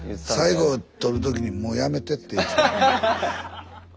最後とる時にもうやめてって。